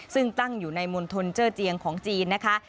ซึ่งตั้งอยู่ในมณฑลเจอร์เจียงของจีนนะคะ